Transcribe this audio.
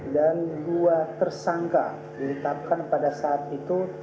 dan dua tersangka diketahukan pada saat itu